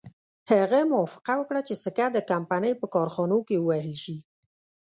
هغه موافقه وکړه چې سکه د کمپنۍ په کارخانو کې ووهل شي.